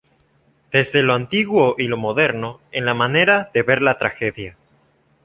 Desde lo antiguo y lo moderno, en la manera de ver la tragedia.